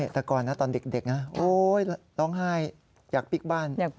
ตะกรนะตอนเด็กนะโอ้ยร้องไห้อยากปิ๊กบ้าน